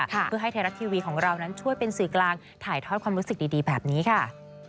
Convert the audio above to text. เพื่อให้ไทยรัฐทีวีของเรานั้นช่วยเป็นสื่อกลางถ่ายทอดความรู้สึกดีแบบนี้ค่ะ